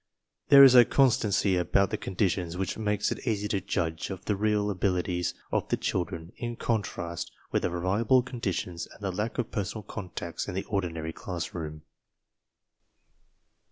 There is a constancy about the conditions which makes it easy to judge of the real abilities of the children, in contrast with the variable conditions and the lack of personal contacts in the ordinary classroom.